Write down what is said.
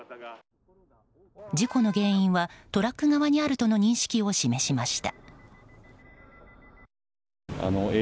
事故の原因は、トラック側にあるとの認識を示しました。